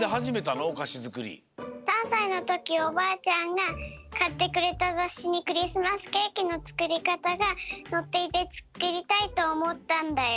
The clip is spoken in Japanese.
３さいのときおばあちゃんがかってくれたざっしにクリスマスケーキのつくりかたがのっていてつくりたいとおもったんだよ。